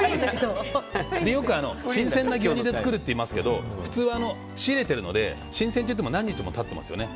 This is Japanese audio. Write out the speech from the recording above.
よく、新鮮な牛乳で作るっていいますけど普通は仕入れてるので新鮮といっても何日も経ってますよね。